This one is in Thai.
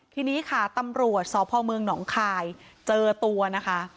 ทีนี้ค่ะตำรวจสพเมืองหนองคายเจอตัวนะคะ